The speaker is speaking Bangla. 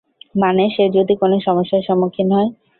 মানে সে যদি কোন সমস্যার সম্মুখীন হয়।